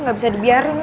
nggak bisa dibiarin tau